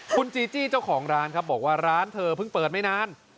คุณจีจี้เจ้าของร้านครับบอกว่าร้านเธอเพิ่งเปิดไม่นาน